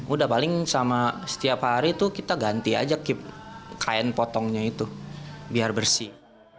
udah paling sama setiap hari tuh kita ganti aja kain potongnya itu biar bersih